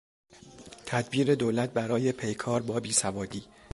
تدبیر دولت برای پیکار با بیسوادی